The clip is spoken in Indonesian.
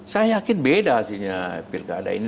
saya yakin beda hasilnya pilkada ini